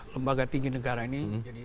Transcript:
lembaga tinggi negara ini